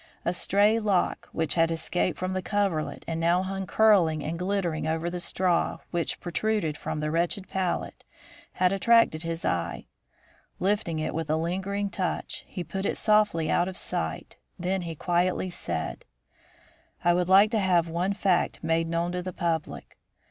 A stray lock which had escaped from the coverlet and now hung curling and glittering over the straw which protruded from the wretched pallet, had attracted his eye. Lifting it with a lingering touch, he put it softly out of sight; then he quietly said: "I would like to have one fact made known to the public.